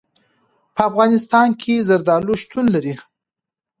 په افغانستان کې زردالو شتون لري.